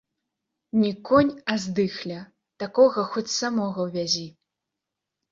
Не конь, а здыхля, такога хоць самога вязі.